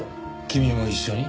君も一緒に？